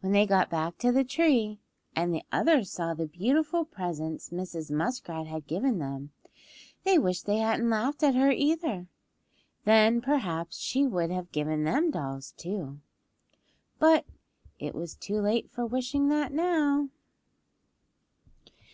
When they got back to the tree, and the others saw the beautiful presents Mrs. Muskrat had given them they wished they hadn't laughed at her either; then perhaps she would have given them dolls too. But it was too late for wishing that now.